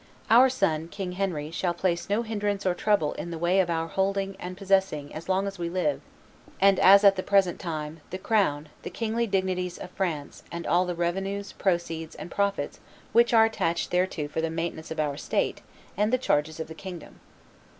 "Our son, King Henry, shall place no hinderance or trouble in the way of our holding and possessing as long as we live, and as at the present time, the crown, the kingly dignity of France, and all the revenues, proceeds, and profits which are attached thereto for the maintenance of our state and the charges of the kingdom.